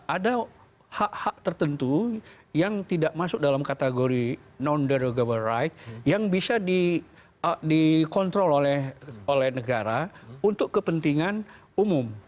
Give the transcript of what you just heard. ada hak hak tertentu yang tidak masuk dalam kategori non derogable rights yang bisa dikontrol oleh negara untuk kepentingan umum